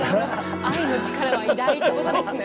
愛の力は偉大ってことですね。